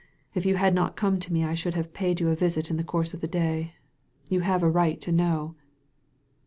If you had not come to me I should have paid you a visit in the course of the day. You'have a right to know."